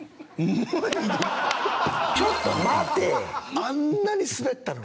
ちょっと待てぃ！！